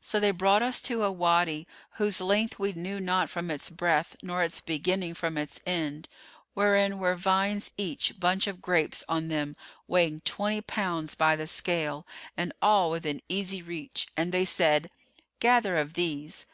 So they brought us to a Wady, whose length we knew not from its breadth nor its beginning from its end wherein were vines each bunch of grapes on them weighing twenty pounds[FN#438] by the scale and all within easy reach, and they said, 'Gather of these.